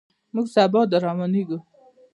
موږ سبا درروانېږو.